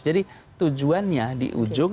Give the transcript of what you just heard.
jadi tujuannya di ujung